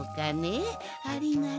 ありがとう。